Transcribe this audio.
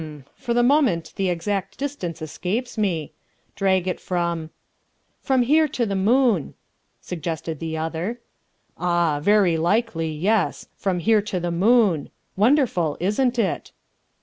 for the moment the exact distance escapes me ... drag it from...." "From here to the moon," suggested the other. "Ah, very likely; yes, from here to the moon. Wonderful, isn't it?"